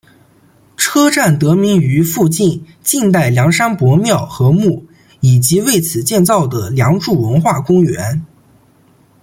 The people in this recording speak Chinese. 车站得名于附近晋代梁山伯庙和墓以及为此建造的梁祝文化公园。